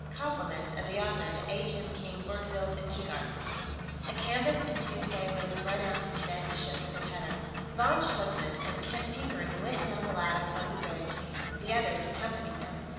Compliments of the author to H.M. King Orgzild of Keegark._ A canvas entubed gangway was run out to connect the ship with the cutter. Von Schlichten and Kent Pickering went down the ladder from the bridge, the others accompanying them.